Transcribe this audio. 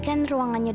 mama gua tersayang